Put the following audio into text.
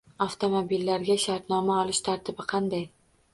Avtomobillarga shartnoma olish tartibi qanday?